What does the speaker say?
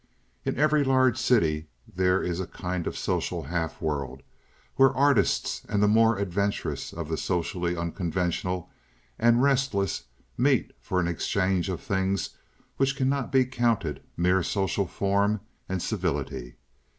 In every large city there is a kind of social half world, where artists and the more adventurous of the socially unconventional and restless meet for an exchange of things which cannot be counted mere social form and civility.